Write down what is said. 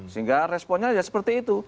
sehingga responnya ya seperti itu